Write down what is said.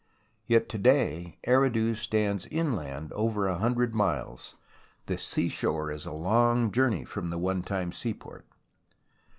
Yet to day Eridu stands inland over a hundred miles — the seashore is a long journey from the one time seaport.